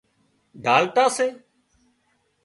ڍالٽا سي